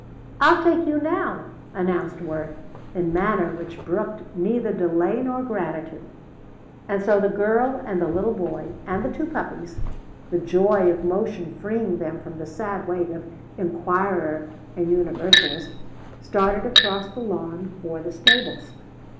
"I'll take you now," announced Worth, in manner which brooked neither delay nor gratitude. And so the girl and the little boy and the two puppies, the joy of motion freeing them from the sad weight of inquirer and universalist, started across the lawn for the stables.